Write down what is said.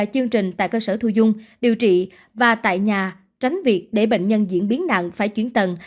chương trình tại cơ sở thu dung điều trị và tại nhà tránh việc để bệnh nhân diễn biến nặng phải chuyển tầng